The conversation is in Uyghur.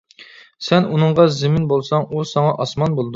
سەن ئۇنىڭغا زېمىن بولساڭ، ئۇ ساڭا ئاسمان بولىدۇ.